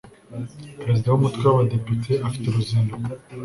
perezida w ‘umutwe w ‘abadepite afite uruzinduko.